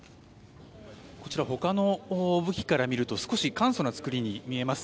こちら、ほかの武器から見ると少し簡素な作りに見えます。